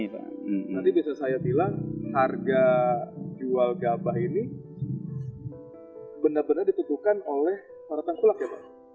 berarti bisa saya bilang harga jual gabah ini benar benar ditentukan oleh para tengkulak ya pak